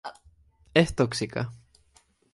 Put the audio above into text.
Es tóxica.